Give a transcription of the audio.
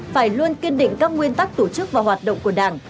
phải luôn kiên định các nguyên tắc tổ chức và hoạt động của đảng